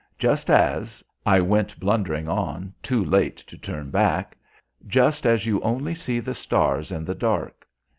Just as," I went blundering on, too late to turn back, "just as you only see the stars in the dark.